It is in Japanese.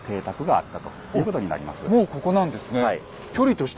おっもうここなんですね。